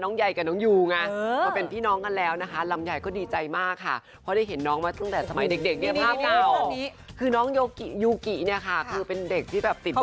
นะคะน้องใยกับน้องยูไง